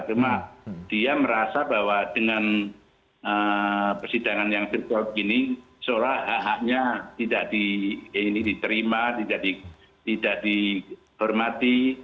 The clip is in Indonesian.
cuma dia merasa bahwa dengan persidangan yang virtual begini seolah hak haknya tidak diterima tidak dihormati